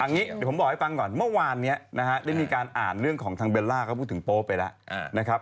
อย่างนี้เดี๋ยวผมบอกให้ฟังก่อนเมื่อวานนี้นะฮะได้มีการอ่านเรื่องของทางเบลล่าก็พูดถึงโป๊ไปแล้วนะครับ